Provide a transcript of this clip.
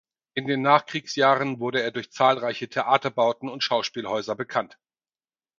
In den Nachkriegsjahren wurde er durch zahlreiche Theaterbauten und Schauspielhäuser bekannt.